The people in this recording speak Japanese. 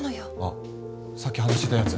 あさっき話してたやつ？